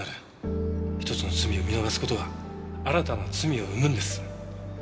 一つの罪を見逃す事が新たな罪を生むんです。